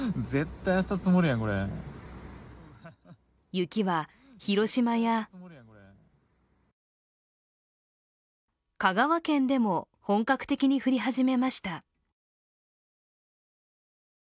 雪は広島や香川県でも、本格的に降り始めました。